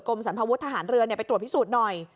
กรมสันภวุธทหารเรือนเนี่ยไปตรวจพิสูจน์หน่อย